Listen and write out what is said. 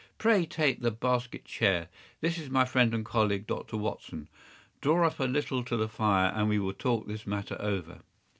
“Pray take the basket chair. This is my friend and colleague, Dr. Watson. Draw up a little to the fire, and we will talk this matter over.